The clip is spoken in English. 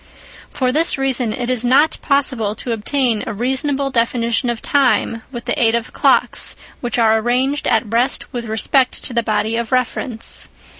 For this reason it is not possible to obtain a reasonable definition of time with the aid of clocks which are arranged at rest with respect to the body of reference.